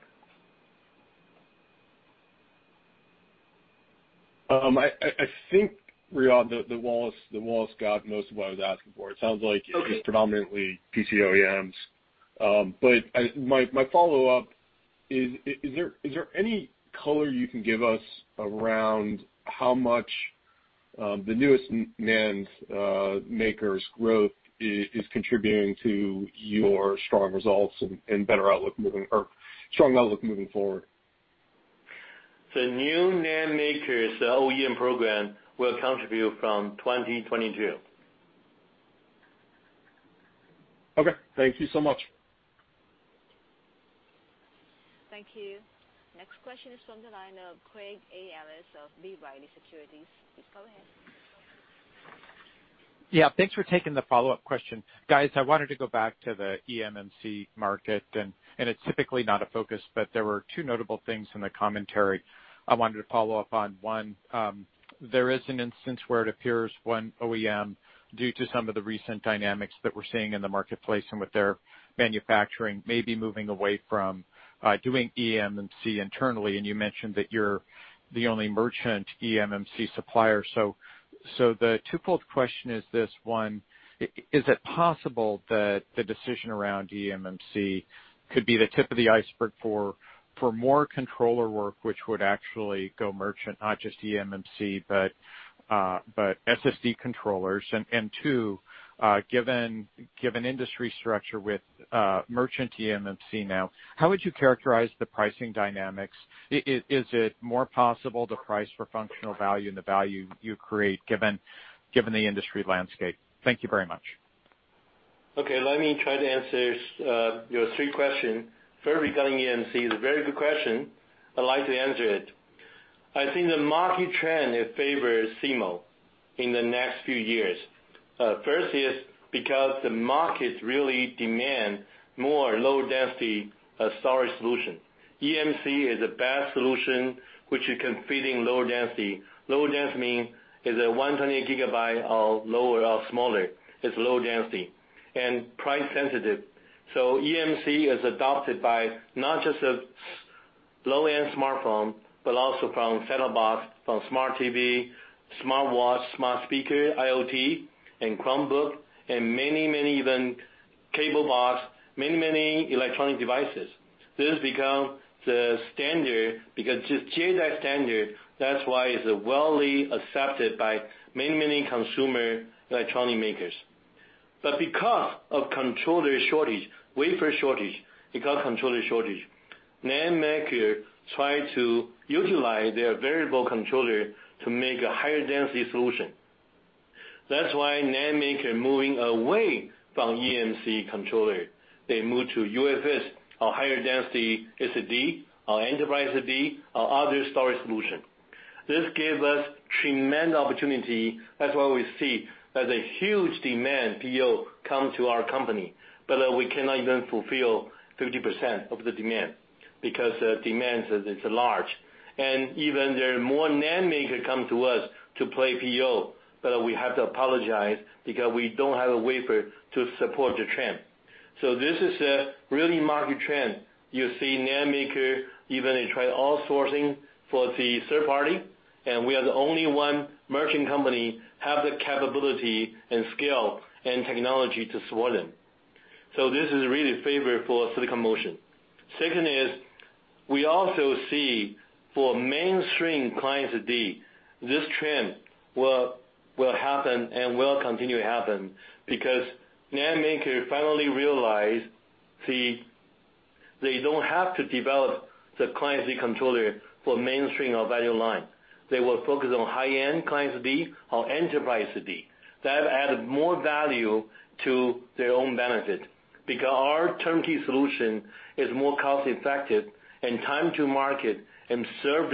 I think, Riyadh, that Wallace got most of what I was asking for. Okay It's predominantly PCIe OEMs. My follow-up, is there any color you can give us around how much the newest NAND maker's growth is contributing to your strong results and better outlook moving or strong outlook moving forward? The new NAND maker's OEM program will contribute from 2022. Okay. Thank you so much. Thank you. Next question is from the line of Craig A. Ellis of B. Riley Securities. Please go ahead. Thanks for taking the follow-up question. Guys, I wanted to go back to the eMMC market, and it's typically not a focus, but there were two notable things in the commentary I wanted to follow up on. One, there is an instance where it appears one OEM, due to some of the recent dynamics that we're seeing in the marketplace and with their manufacturing, may be moving away from doing eMMC internally, and you mentioned that you're the only merchant eMMC supplier. The twofold question is this. One, is it possible that the decision around eMMC could be the tip of the iceberg for more controller work, which would actually go merchant, not just eMMC, but SSD controllers? Two, given industry structure with merchant eMMC now, how would you characterize the pricing dynamics? Is it more possible to price for functional value and the value you create, given the industry landscape? Thank you very much. Okay. Let me try to answer your three questions. First, regarding eMMC, it's a very good question. I'd like to answer it. I think the market trend, it favors SIMO in the next few years. First, is because the market really demand more low-density storage solution. eMMC is a base solution, which you can fit in low density. Low density mean is a 128 GB or lower or smaller. It's low density and price sensitive. eMMC is adopted by not just a low-end smartphone, but also from set-top box, from smart TV, smart watch, smart speaker, IoT, and Chromebook, and many even cable box, many electronic devices. This become the standard because to share that standard, that's why it's widely accepted by many consumer electronic makers. Because of controller shortage, wafer shortage, because controller shortage, NAND maker try to utilize their variable controller to make a higher density solution. That's why NAND maker moving away from eMMC controller. They move to UFS or higher density SSD or enterprise SSD or other storage solution. This gave us tremendous opportunity. That's why we see there's a huge demand PO come to our company. We cannot even fulfill 50% of the demand, because the demand is large. Even there are more NAND maker come to us to play PO, but we have to apologize because we don't have a wafer to support the trend. This is a really market trend. You see NAND maker, even they try outsourcing for the third party, and we are the only one merchant company have the capability and scale and technology to support them. This is really favor for Silicon Motion. Second is, we also see for mainstream client SSD, this trend will happen and will continue to happen because NAND maker finally realize they don't have to develop the client SSD controller for mainstream or value line. They will focus on high-end client SSD or enterprise SSD. That add more value to their own benefit, because our turnkey solution is more cost effective and time to market and serve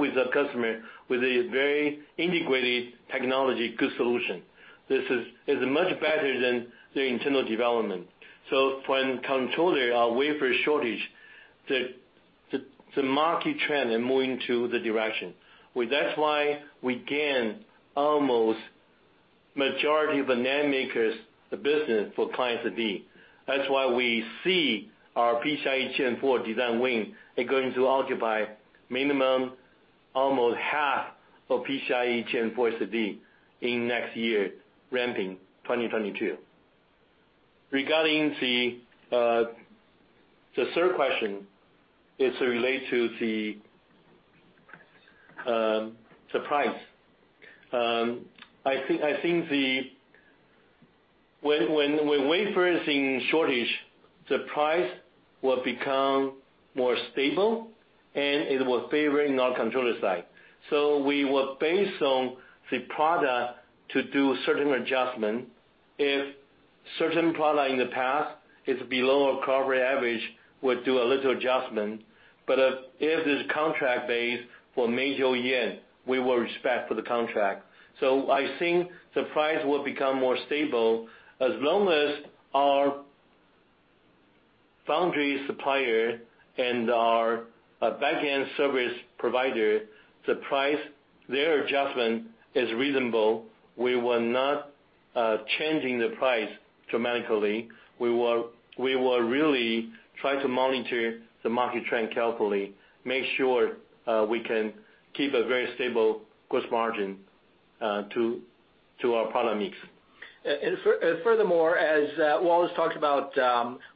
with the customer with a very integrated technology good solution. This is much better than the internal development. When controller are wafer shortage, the market trend are moving to the direction. That's why we gain almost majority of the NAND makers, the business for client SSD. That's why we see our PCIe Gen4 design win are going to occupy minimum almost half of PCIe Gen4 SSD in next year, ramping 2022. Regarding the third question, it relates to the price. I think when wafer is in shortage, the price will become more stable, and it will favor in our controller side. We will base on the product to do certain adjustment. If certain product in the past is below our corporate average, we will do a little adjustment. If it's contract base for major OEM, we will respect for the contract. I think the price will become more stable. As long as our foundry supplier and our back-end service provider, the price, their adjustment is reasonable, we will not change the price dramatically. We will really try to monitor the market trend carefully, make sure we can keep a very stable gross margin to our product mix. Furthermore, as Wallace talked about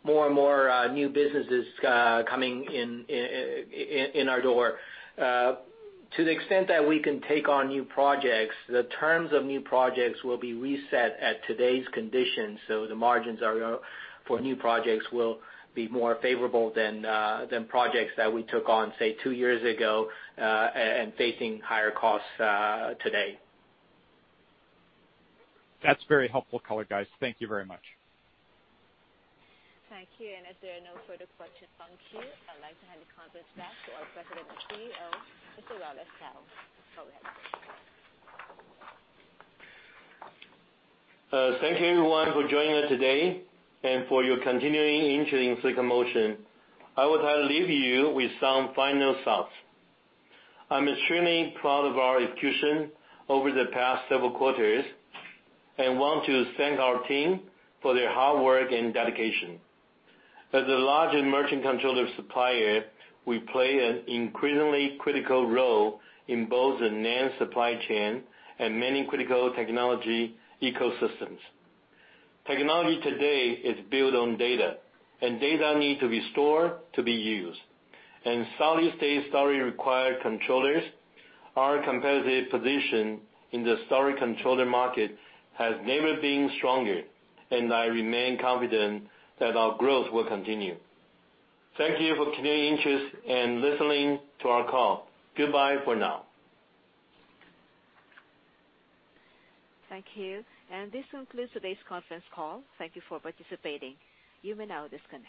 more and more new businesses coming in our door. To the extent that we can take on new projects, the terms of new projects will be reset at today's conditions. The margins for new projects will be more favorable than projects that we took on, say, two years ago, and facing higher costs today. That's very helpful color, guys. Thank you very much. Thank you. If there are no further questions in queue, I'd like to hand the conference back to our President and CEO, Mr. Wallace Kou. Go ahead. Thank you everyone for joining us today and for your continuing interest in Silicon Motion. I would like to leave you with some final thoughts. I'm extremely proud of our execution over the past several quarters and want to thank our team for their hard work and dedication. As a large merchant controller supplier, we play an increasingly critical role in both the NAND supply chain and many critical technology ecosystems. Technology today is built on data, and data need to be stored to be used. Solid-state storage require controllers. Our competitive position in the storage controller market has never been stronger, and I remain confident that our growth will continue. Thank you for continued interest and listening to our call. Goodbye for now. Thank you. This concludes today's conference call. Thank you for participating. You may now disconnect.